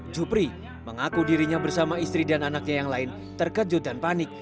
jupri mengaku dirinya bersama istri dan anaknya yang lain terkejut dan panik